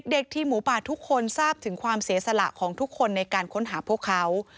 ทีมหมูป่าทุกคนทราบถึงความเสียสละของทุกคนในการค้นหาพวกเขา